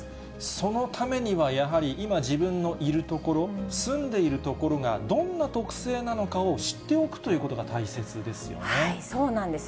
そのためにはやはり、今、自分のいる所、住んでいる所がどんな特性なのかを知っておくということが大切でそうなんです。